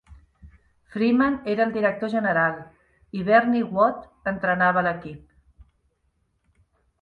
Freeman era el director general i Bernie Watt entrenava l'equip.